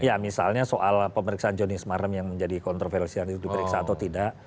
ya misalnya soal pemeriksaan joni smarem yang menjadi kontroversial itu diperiksa atau tidak